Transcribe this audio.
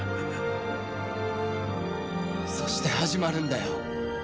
そして始まるんだよ。